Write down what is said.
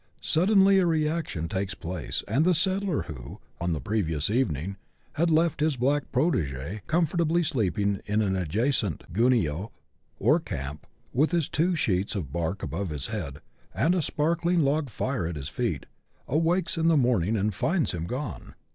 Suddenly a reaction takes place, and the settler who, on the previous evening, had left his black protege comfortably sleeping in an adjacent " gunyio," or camp, with his two sheets of bark above his head, and a spark ling log fire at his feet, awakes in the morning and finds him gone.